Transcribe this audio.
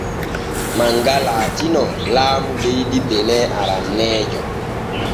Manga laatino laamu leydi benin aranneejo.